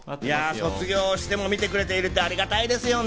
卒業しても見てくれているってありがたいですよね。